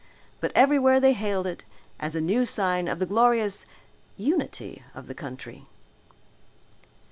But everywhere they hailed it as a new sign of the glorious unity of the country.